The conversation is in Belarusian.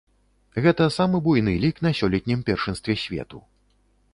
Гэта самы буйны лік на сёлетнім першынстве свету.